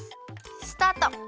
スタート！